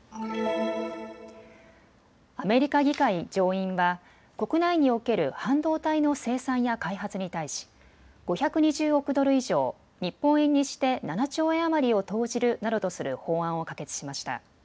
アメリカ議会上院は国内における半導体の生産や開発に対し５２０億ドル以上、日本円にして７兆円余りを投じるなどとする法案を可決しました。